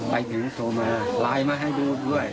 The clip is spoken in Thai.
ไปถึงโทรมาไลน์มาให้ดูด้วย